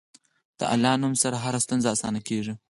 د الله نوم سره هره ستونزه اسانه کېږي.